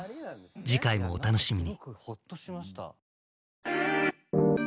次回もお楽しみに。